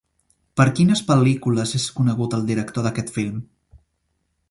Per quines pel·lícules és conegut el director d'aquest film?